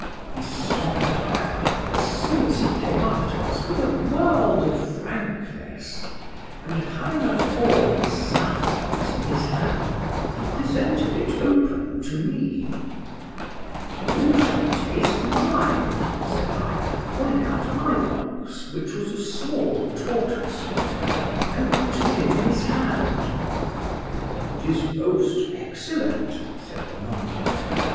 —He stopp'd, however, as soon as he came up to us, with a world of frankness: and having a horn snuff box in his hand, he presented it open to me.—You shall taste mine—said I, pulling out my box (which was a small tortoise one) and putting it into his hand.—'Tis most excellent, said the monk.